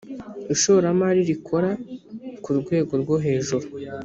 ishoramari rikora kurwego rwohejuru.